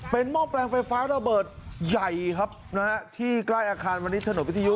เป็นหม้อแปลงไฟฟ้าระเบิดใหญ่ครับนะฮะที่ใกล้อาคารมณิชถนนวิทยุ